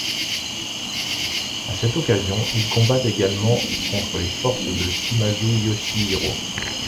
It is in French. À cette occasion, il combat également contre les forces de Shimazu Yoshihiro.